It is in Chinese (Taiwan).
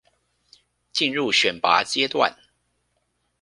進入選拔階段